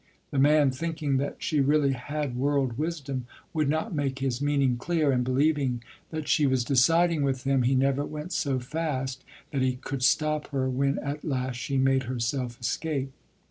The man thinking that she really had world wisdom would not make his meaning clear, and believing that she was deciding with him he never went so fast that he could stop her when at last she made herself escape.